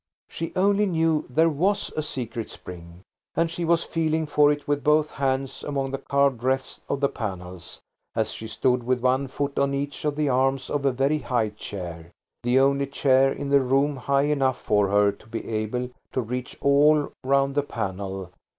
She only knew there was a secret spring, and she was feeling for it with both hands among the carved wreaths of the panels, as she stood with one foot on each of the arms of a very high chair–the only chair in the room high enough for her to be able to reach all round the panel.